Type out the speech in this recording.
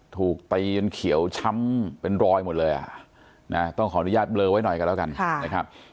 ถูกตีจนเขียวช้ำเป็นรอยหมดเลยต้องขออนุญาตเบลอไว้หน่อยกันแล้วกันนะครับ